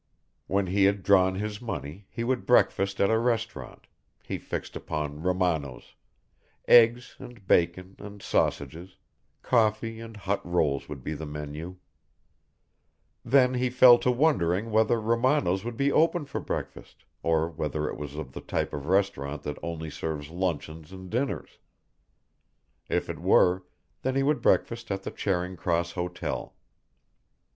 When he had drawn his money he would breakfast at a restaurant, he fixed upon Romanos', eggs and bacon and sausages, coffee and hot rolls would be the menu. Then he fell to wondering whether Romanos' would be open for breakfast, or whether it was of the type of restaurant that only serves luncheons and dinners. If it were, then he could breakfast at the Charing Cross Hotel.